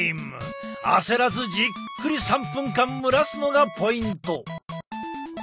焦らずじっくり３分間蒸らすのがポイント！